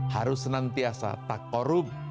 harus senantiasa tak korup